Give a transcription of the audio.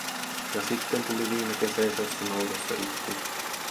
Ja sitten tuli viimekesäisestä naurusta itku.